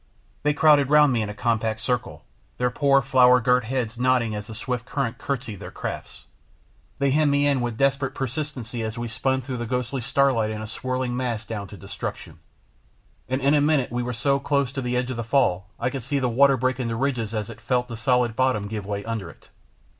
They crowded round me in a compact circle, their poor flower girt heads nodding as the swift current curtsied their crafts. They hemmed me in with desperate persistency as we spun through the ghostly starlight in a swirling mass down to destruction! And in a minute we were so close to the edge of the fall I could see the water break into ridges as it felt the solid bottom give way under it.